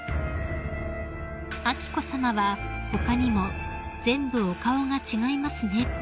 ［彬子さまは他にも「全部お顔が違いますね」